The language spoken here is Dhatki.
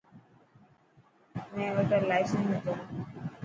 مين وٽا لائيسن هتو.